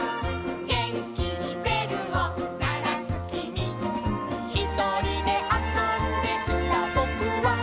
「げんきにべるをならすきみ」「ひとりであそんでいたぼくは」